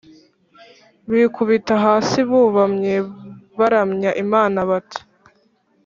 bikubita hasi bubamye baramya Imana bati